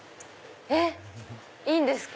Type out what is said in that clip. えっ⁉いいんですか？